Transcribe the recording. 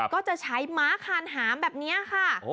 ก็จะใช้ม้าคานหามแบบนี้ค่ะ